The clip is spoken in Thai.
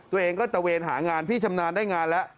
ตัวเองก็ตะเวนหางานพี่ชำนาญได้งานแล้ว